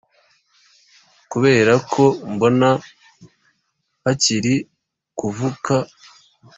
kuberako mbona hakiri kuvuka